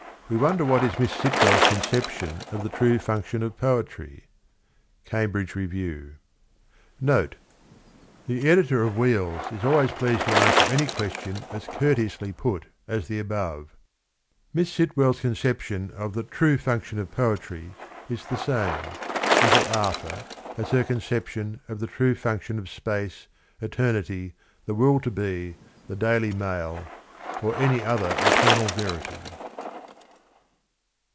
We wonder what is Miss Sitwell's conception of the true function of Poetry ?— Cambridge Review. [Note. — The Editor of ' Wheels ' is always pleased to answer any question as courteously put as the above. Miss Sitwell's conception of the True Function of Poetry is the same, ' Little Arthur,' as her conception of the True Function of Space, Eternity, the Will to Be, the Daily Mail, or any other eternal verity.